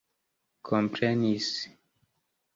komprenis